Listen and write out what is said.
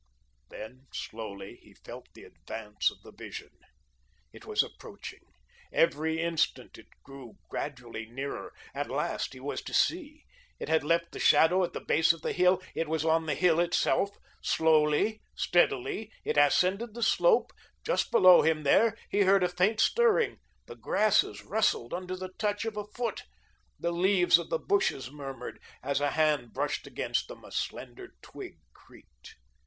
Then slowly he felt the advance of the Vision. It was approaching. Every instant it drew gradually nearer. At last, he was to see. It had left the shadow at the base of the hill; it was on the hill itself. Slowly, steadily, it ascended the slope; just below him there, he heard a faint stirring. The grasses rustled under the touch of a foot. The leaves of the bushes murmured, as a hand brushed against them; a slender twig creaked.